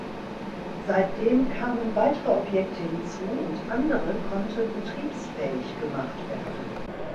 Seitdem kamen weitere Objekte hinzu und andere konnten betriebsfähig gemacht werden.